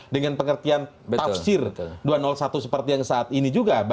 dengan pengertian tafsir dua ratus satu seperti yang saat ini juga